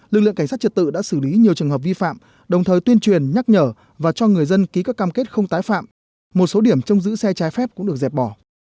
lực lượng cảnh sát trật tự đã xử lý nhiều trường hợp vi phạm đồng thời tuyên truyền nhắc nhở và cho người dân ký các cam kết không tái phạm một số điểm trong giữ xe trái phép cũng được dẹp bỏ